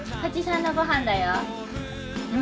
蜂さんのごはんだよ。